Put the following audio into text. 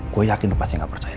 gue yakin lo pasti nggak percaya